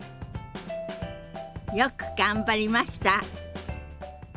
よく頑張りました。